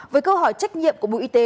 với câu hỏi trách nhiệm của bộ y tế